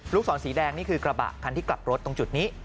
ศรสีแดงนี่คือกระบะคันที่กลับรถตรงจุดนี้